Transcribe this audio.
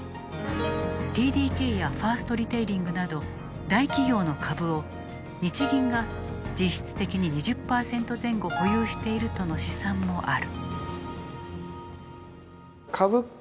ＴＤＫやファーストリテイリングなど大企業の株を日銀が実質的に２０％前後保有しているとの試算もある。